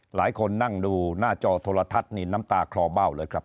หลายคนนั่งดูหน้าจอโทรทัศน์นี่น้ำตาคลอเบ้าเลยครับ